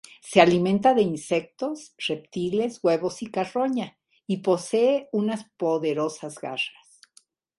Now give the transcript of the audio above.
Se alimenta de insectos, reptiles, huevos y carroña y posee unas poderosas garras.